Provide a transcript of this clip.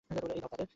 এই ধর তাদের!